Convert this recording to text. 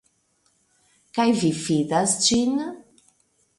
Kaj vi fidas ĝin?